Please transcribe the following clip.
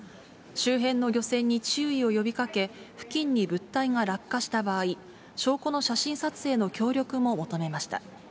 周辺の漁船に注意を呼びかけ、付近に物体が落下した場合、証拠の写真撮影の協力も求めました。